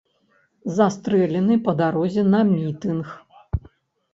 Застрэлены па дарозе на мітынг.